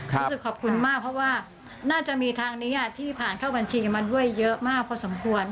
รู้สึกขอบคุณมากเพราะว่าน่าจะมีทางนี้ที่ผ่านเข้าบัญชีมาด้วยเยอะมากพอสมควร